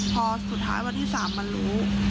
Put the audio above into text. พอสุดท้ายวันที่๓มันรู้